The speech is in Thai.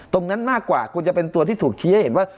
มากกว่าควรจะเป็นตัวที่ถูกชี้ให้เห็นว่า